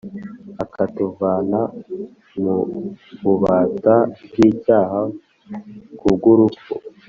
akatuvana mu bubata bw icyaha Ku bw urupfu